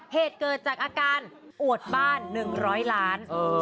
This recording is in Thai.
เหตุเกิดจากอาการอวดบ้าน๑๐๐ล้าน